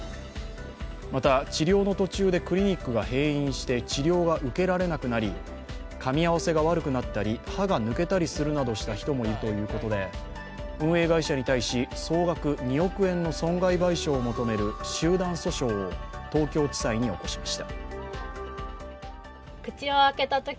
また、治療の途中でクリニックが閉院して治療が受けられなくなりかみ合わせが悪くなったり歯が抜けたりするなどした人もいるということで運営会社に対し２億円の損害賠償を求める集団訴訟を東京地裁に起こしました。